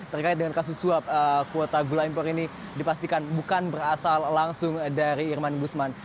terkait dengan kasus suap kuota gula impor ini dipastikan bukan berasal langsung dari irman gusman